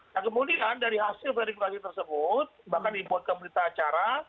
nah kemudian dari hasil klarifikasi tersebut bahkan dibuat keberitaan acara